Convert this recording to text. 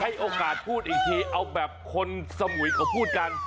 โอกาสพูดอีกทีเอาแบบคนสมุยเขาพูดกัน